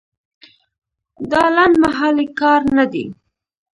دا لنډمهالی کار نه دی.